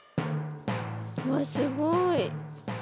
うわすごい。